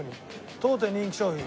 「当店人気商品」。